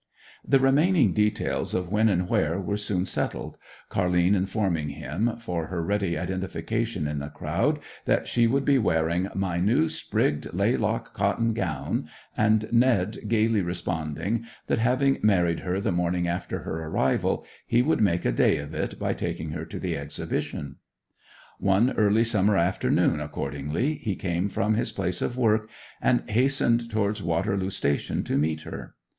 The remaining details of when and where were soon settled, Car'line informing him, for her ready identification in the crowd, that she would be wearing 'my new sprigged laylock cotton gown,' and Ned gaily responding that, having married her the morning after her arrival, he would make a day of it by taking her to the Exhibition. One early summer afternoon, accordingly, he came from his place of work, and hastened towards Waterloo Station to meet her.